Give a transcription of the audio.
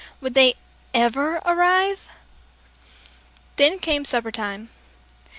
Would they ever arrive? Then came supper time.